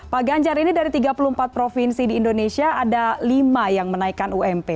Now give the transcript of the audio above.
pak ganjar ini dari tiga puluh empat provinsi di indonesia ada lima yang menaikkan ump